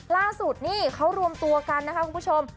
ล่าสุดนี่เขารวมตัวกันนะคะคุณผู้ชม